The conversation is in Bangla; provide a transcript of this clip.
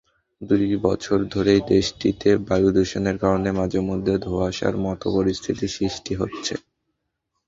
দুই বছর ধরেই দেশটিতে বায়ুদূষণের কারণে মাঝেমধ্যে ধোঁয়াশার মতো পরিস্থিতি সৃষ্টি হচ্ছে।